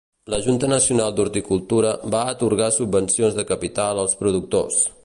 La Junta Nacional d'Horticultura va atorgar subvencions de capital als productors.